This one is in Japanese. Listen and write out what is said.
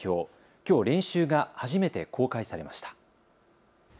きょう練習が初めて公開されました。